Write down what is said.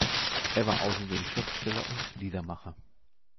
Er war außerdem Schriftsteller und Liedermacher.